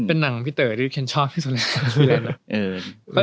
เป็นหนังของพี่เต๋อที่ฉันชอบพี่เจ้าได้